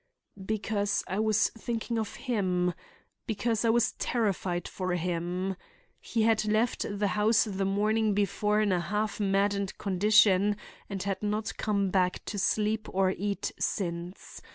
"Because I was thinking of him. Because I was terrified for him. He had left the house the morning before in a half maddened condition and had not come back to sleep or eat since.